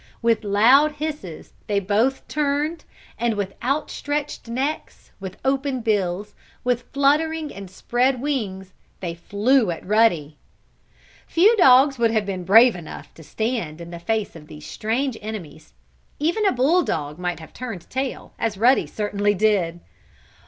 With loud hisses they both turned and with outstretched necks, with open bills, with fluttering and spread wings they flew at Ruddy. Few dogs would have been brave enough to stand in the face of these strange enemies. Even a bulldog might have turned tail, as Ruddy certainly did.